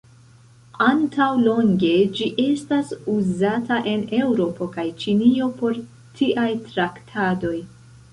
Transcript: Antaŭ longe ĝi estas uzata en Eŭropo kaj Ĉinio por tiaj traktadoj.